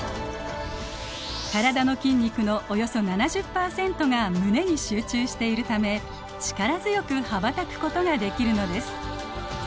体の筋肉のおよそ７０％が胸に集中しているため力強く羽ばたくことができるのです。